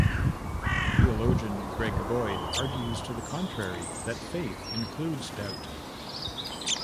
Theologian Greg Boyd argues to the contrary, that faith includes doubt.